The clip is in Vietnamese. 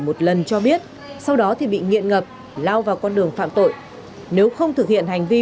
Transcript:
một lần cho biết sau đó thì bị nghiện ngập lao vào con đường phạm tội nếu không thực hiện hành vi